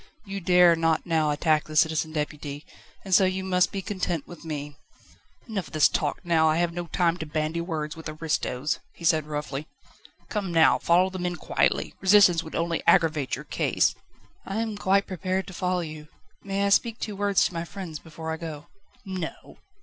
You dare not now attack the Citizen Deputy, and so you must be content with me." "Enough of this talk now; I have no time to bandy words with aristos," he said roughly. "Come now, follow the men quietly. Resistance would only aggravate your case." "I am quite prepared to follow you. May I speak two words to my friends before I go?" "No."